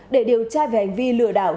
để điều tra về hành vi lừa đảo